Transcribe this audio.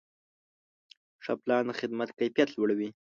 ښه پلان د خدمت کیفیت لوړوي.